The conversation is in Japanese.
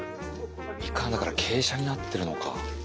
みかんだから傾斜になってるのか。